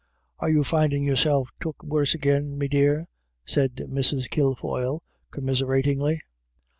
" Are you findin' yourself took worse agin, me dear?" said Mrs. Kilfoyle, commiseratingly.